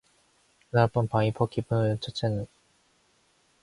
그날 밤 밤이 퍽 깊은 후에 첫째는 밖으로부터 들어왔다.